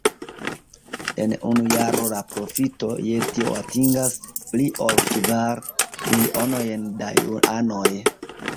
En unu jaro la profito je tio atingas pli ol kvar milionojn da juanoj.